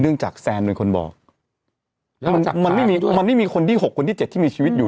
เนื่องจากแซนบนคนบอกมันไม่มีมันไม่มีคนที่หกคนที่เจ็ดที่มีชีวิตอยู่